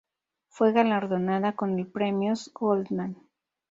Fue galardonada con el Premios Goldman.